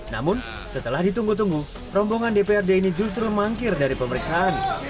namun setelah ditunggu tunggu rombongan dprd ini justru mangkir dari pemeriksaan